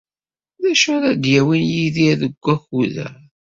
D acu ara d-yawin Yidir deg wakud-a?